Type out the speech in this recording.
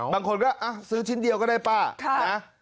บางคนก็ซื้อชิ้นเดียวก็ได้ป้านะ